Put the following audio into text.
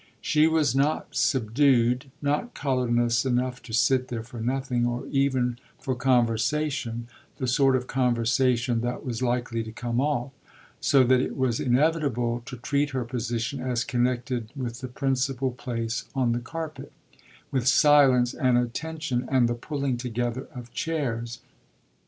She was not subdued, not colourless enough to sit there for nothing, or even for conversation the sort of conversation that was likely to come off so that it was inevitable to treat her position as connected with the principal place on the carpet, with silence and attention and the pulling together of chairs.